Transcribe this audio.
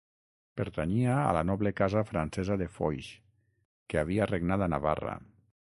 Pertanyia a la noble casa francesa de Foix, que havia regnat a Navarra.